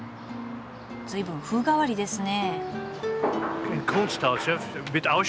随分風変わりですね。